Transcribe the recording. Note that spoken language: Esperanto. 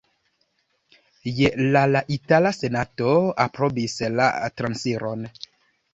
Je la la itala senato aprobis la transiron.